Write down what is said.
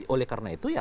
oleh karena itu